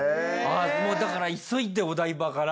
もうだから急いでお台場から。